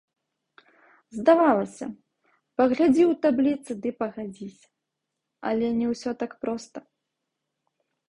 Здавалася, паглядзі ў табліцы ды пагадзіся, але не ўсё так проста.